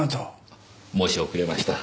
申し遅れました。